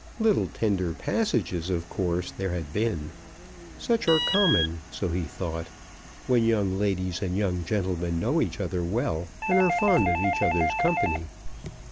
Little tender passages of course there had been. Such are common, so he thought, when young ladies and young gentlemen know each other well and are fond of each other's company.